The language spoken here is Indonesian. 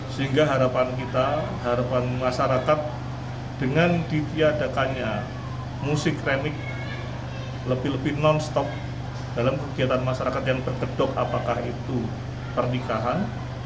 sehingga harapan kita harapan masyarakat dengan ditiadakannya musik kremik lebih lebih non stop dalam kegiatan masyarakat yang bergedok apakah itu pernikahan